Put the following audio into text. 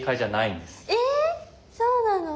えっ⁉そうなの？